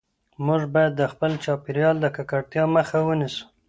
موږ باید د خپل چاپیریال د ککړتیا مخه ونیسو.